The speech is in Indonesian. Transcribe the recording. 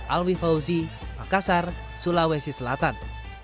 alwi fauzi makassar sulawesi selatan